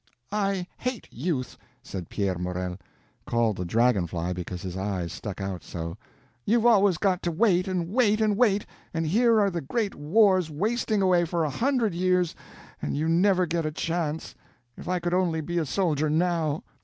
"I hate youth!" said Pierre Morel, called the Dragon fly because his eyes stuck out so. "You've always got to wait, and wait, and wait—and here are the great wars wasting away for a hundred years, and you never get a chance. If I could only be a soldier now!"